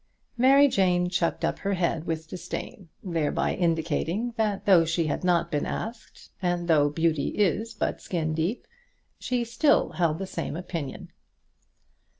Mary Jane chucked up her head with disdain, thereby indicating that though she had not been asked, and though beauty is but skin deep, still she held the same opinion.